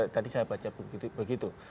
tadi saya baca begitu